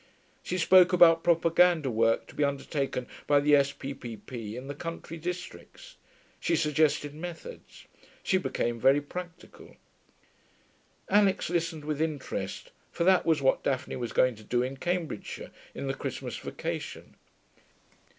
She spoke about propaganda work to be undertaken by the S.P.P.P. in the country districts; she suggested methods; she became very practical. Alix listened with interest, for that was what Daphne was going to do in Cambridgeshire in the Christmas vacation.